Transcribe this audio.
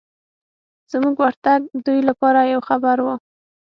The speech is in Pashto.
زموږ ورتګ دوی لپاره یو خبر و.